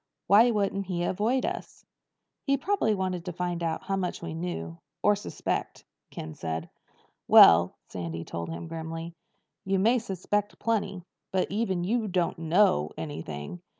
Why wouldn't he avoid us?" "He probably wanted to find out how much we know—or suspect," Ken said. "Well," Sandy told him grimly, "you may suspect plenty. But even you don't know anything."